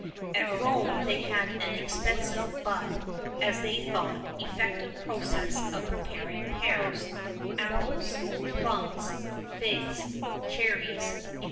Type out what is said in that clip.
[XI 18] At Rome they had an expensive, but, as they thought, effective process of preparing pears, apples, plums, figs, cherries, &c.